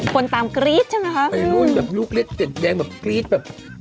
คนตามกรี๊ดใช่ไหมคะไม่รู้แบบลูกเล็กเจ็ดแดงแบบกรี๊ดแบบ